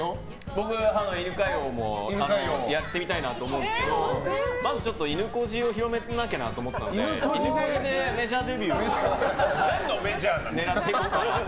僕、犬飼王もやってみたいなと思うんですけどまず、ちょっといぬこじを広めなきゃなと思ったのでいぬこじでメジャーデビューを狙っていこうかなと。